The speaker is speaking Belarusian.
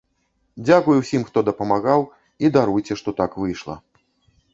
Дзякуй усім, хто дапамагаў, і даруйце, што так выйшла.